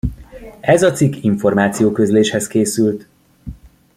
Ez a cikk információközléshez készült.